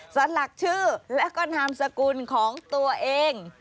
สลักชื่อและก็นามสกุลของตัวเอง